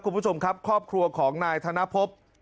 คุณผู้ชมครับครอบครัวของนายธนภพ